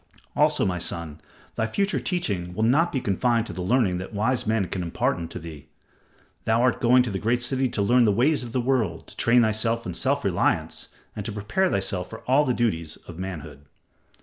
Also, my son, thy future teaching must be not confined to the learning that wise men can impart unto thee. Thou art going to the great city to learn the ways of the world, to train thyself in self reliance, and to prepare thyself for all the duties of manhood."